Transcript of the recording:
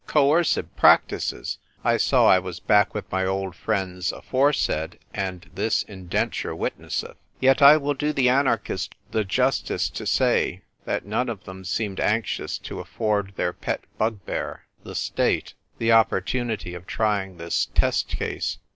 Coercive practices ! I saw I was back with my old friends Aforesaid and This Indenture Witnesseth. Yet I will do the anarchists the justice to say that none of them seemed anxious to afford their pet bugbear, the State, the oppor tunity of trying this test case.